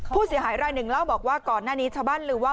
ผู้เสียหายรายหนึ่งเล่าบอกว่าก่อนหน้านี้ชาวบ้านลืมว่า